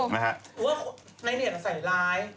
นายเนี่ยก็ใส่ไลน์